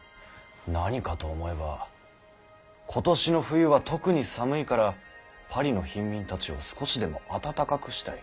何かと思えば「今年の冬は特に寒いからパリの貧民たちを少しでも温かくしたい。